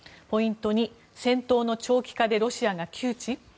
ポイント２戦闘の長期化でロシアが窮地？